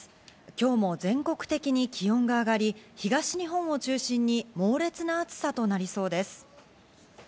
今日も全国的に気温が上がり、東日本を中心に、猛烈な暑さとなりそうです。